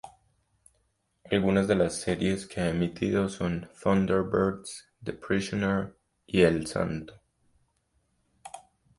Algunas de las series que ha emitido son "Thunderbirds", "The Prisoner" y "El Santo".